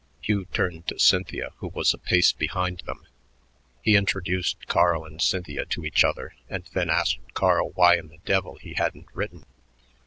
Hugh turned to Cynthia, who was a pace behind them. He introduced Carl and Cynthia to each other and then asked Carl why in the devil he hadn't written.